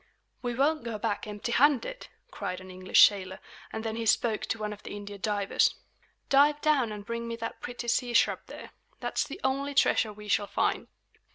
"We won't go back empty handed," cried an English sailor; and then he spoke to one of the, Indian divers. "Dive down and bring me that pretty sea shrub there. That's the only treasure we shall find!"